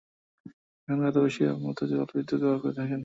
এখানকার অধিবাসীরা মূলত জলবিদ্যুৎ ব্যবহার করে থাকেন।